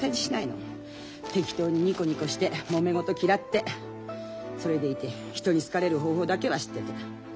適当にニコニコしてもめ事嫌ってそれでいて人に好かれる方法だけは知ってて。